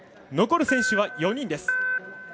残る選手は４人です。